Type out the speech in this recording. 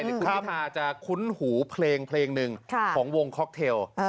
คุณพิธาจะคุ้นหูเพลงนึงของวงคอคเทล